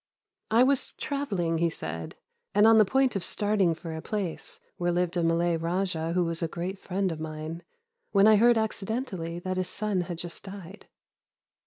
"I was travelling," he said, "and on the point of starting for a place where lived a Malay raja who was a great friend of mine, when I heard accidentally that his son had just died.